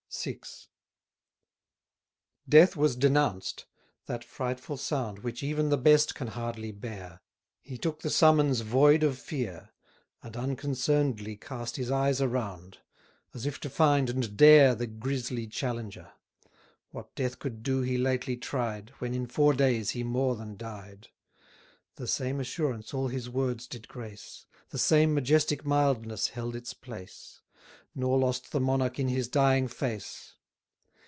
VI. Death was denounced; that frightful sound Which even the best can hardly bear, He took the summons void of fear; And unconcern'dly cast his eyes around; As if to find and dare the grisly challenger. What death could do he lately tried, When in four days he more than died. The same assurance all his words did grace; The same majestic mildness held its place: Nor lost the monarch in his dying face.